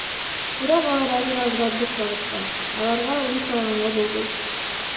Бирок алар азыр агрардык багытта, аларга үй салганга болбойт.